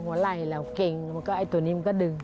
หัวไหล่แล้วเก่งตัวนี้มันก็ดึง